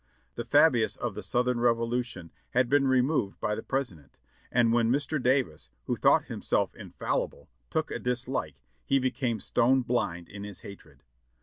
The Fauius oi the Southern Revolution had been removed by the President: and when Mr. Davis, who thought himself infalli ble, took II disHke, he became stone blind in his hatred.